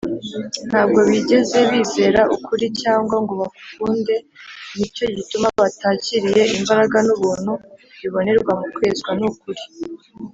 ntabwo bigeze bizera ukuri cyangwa ngo bagukunde, ni cyo gituma batakiriye imbaraga n’ubuntu bibonerwa mu kwezwa n’ukuri